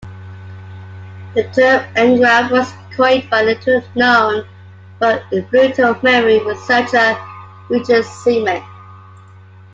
The term engram was coined by the little-known but influential memory researcher Richard Semon.